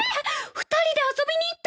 ２人で遊びに行った？